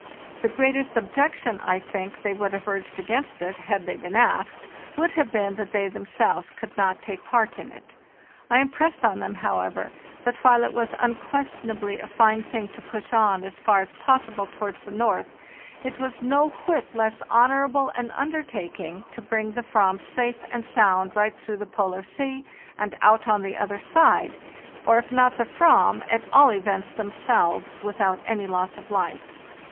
The greatest objection, I think, they would have urged against it, had they been asked, would have been that they themselves could not take part in it. I impressed on them, however, that while it was unquestionably a fine thing to push on as far as possible towards the north, it was no whit less honorable an undertaking to bring the "ram safe and sound right through the Polar Sea, and out on the other side; or if not the fram, at all events themselves without any loss of life.